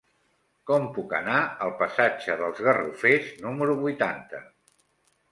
Com puc anar al passatge dels Garrofers número vuitanta?